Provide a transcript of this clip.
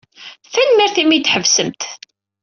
Tanemmirt imi ay d-tḥebsemt.